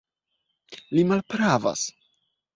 Li malpravas!